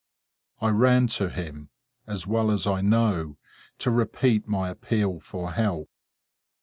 I ran to him—as well as I know, to repeat my appeal for help.